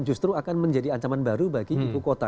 justru akan menjadi ancaman baru bagi ibu kota